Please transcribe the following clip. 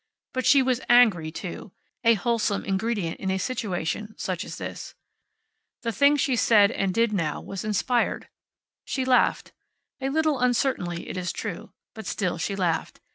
But she was angry, too, a wholesome ingredient in a situation such as this. The thing she said and did now was inspired. She laughed a little uncertainly, it is true but still she laughed.